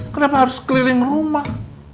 kenapa harus keliling rumah